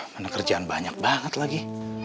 karena kerjaan banyak banget lagi